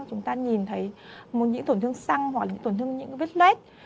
chúng ta nhìn thấy những tổn thương xăng hoặc là những tổn thương những vết lết